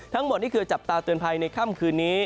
ทั้งหมดนี่คือจับตาเตือนภัยในค่ำคืนนี้